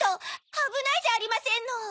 あぶないじゃありませんの！